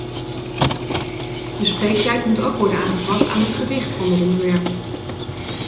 De spreektijd moet ook worden aangepast aan het gewicht van de onderwerpen.